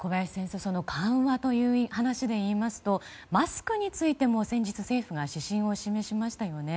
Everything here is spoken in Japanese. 緩和という話でいいますとマスクについても先日政府が指針を示しましたよね。